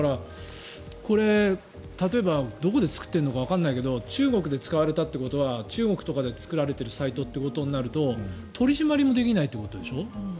これ、例えば、どこで作ってるのかわからないけど中国で使われたということは中国で作られているサイトとなると取り締まりもできないということでしょ。